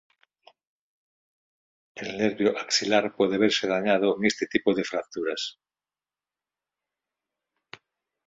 El nervio axilar puede verse dañado en este tipo de fracturas.